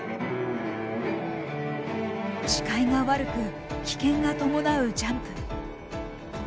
視界が悪く危険が伴うジャンプ。